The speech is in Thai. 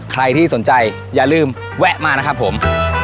ใครที่สนใจอย่าลืมแวะมานะครับผม